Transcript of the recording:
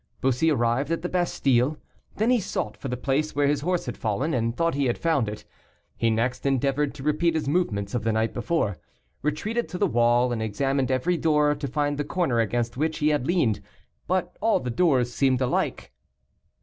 Bussy arrived at the Bastile, then he sought for the place where his horse had fallen, and thought he had found it; he next endeavored to repeat his movements of the night before, retreated to the wall, and examined every door to find the corner against which he had leaned, but all the doors seemed alike.